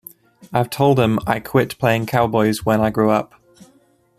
I've told 'em I quit playing cowboys when I grew up.